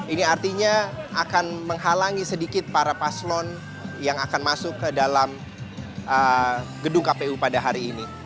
ini artinya akan menghalangi sedikit para paslon yang akan masuk ke dalam gedung kpu pada hari ini